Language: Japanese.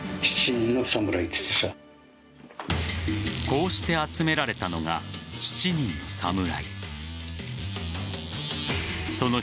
こうして集められたのが７人の侍。